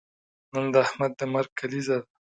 نن د احمد د مرګ کلیزه ده.